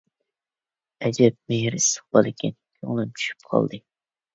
ئەجەب مېھرى ئىسسىق بالىكەن، كۆڭلۈم چۈشۈپ قالدى.